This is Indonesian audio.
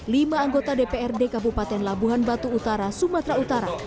lima anggota dprd kabupaten labuhan batu utara sumatera utara